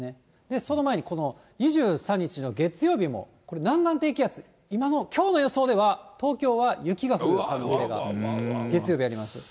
その前にこの２３日の月曜日もこれ、南岸低気圧、今の、きょうの予想では、東京は雪が降るという予想が月曜日あります。